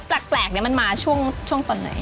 แปลกมันมาช่วงตอนไหน